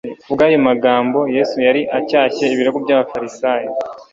Kubw'ayo magambo, Yesu yari acyashye ibirego by'abafarisayo.